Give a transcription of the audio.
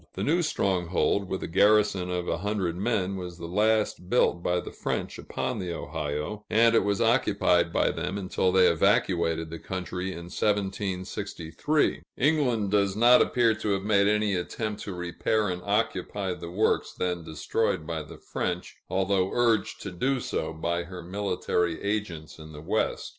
The new stronghold, with a garrison of a hundred men, was the last built by the French upon the Ohio, and it was occupied by them until they evacuated the country in 1763. England does not appear to have made any attempt to repair and occupy the works then destroyed by the French, although urged to do so by her military agents in the West.